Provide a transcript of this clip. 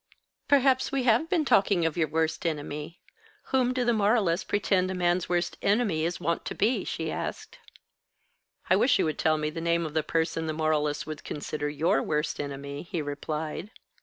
"Perhaps we have been talking of your worst enemy. Whom do the moralists pretend a man's worst enemy is wont to be?" she asked. "I wish you would tell me the name of the person the moralists would consider your worst enemy," he replied.